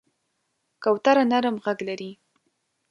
کوتره نرم غږ لري.